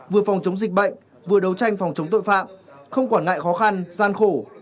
vừa phòng chống dịch bệnh vừa đấu tranh phòng chống tội phạm không quản ngại khó khăn gian khổ